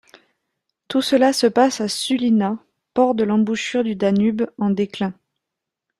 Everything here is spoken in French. Tout cela se passe à Sulina, port de l’embouchure du Danube en déclin.